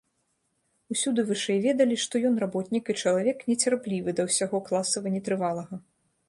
Усюды вышэй ведалі, што ён работнік і чалавек нецярплівы да ўсяго класава нетрывалага.